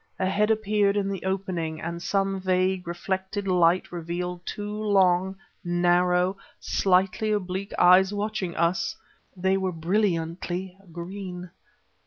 A head appeared in the opening and some vague, reflected light revealed two long, narrow, slightly oblique eyes watching us. They were brilliantly green.